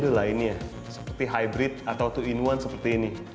dua lainnya seperti hybrid atau dua in satu seperti ini